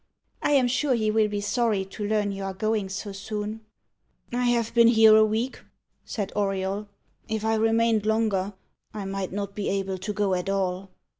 "I am sure he will be sorry to learn you are going so soon." "I have been here a week," said Auriol. "If I remained longer, I might not be able to go at all."